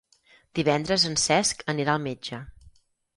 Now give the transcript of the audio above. Divendres en Cesc anirà al metge.